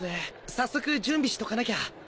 早速準備しとかなきゃ。